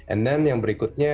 and then yang berikutnya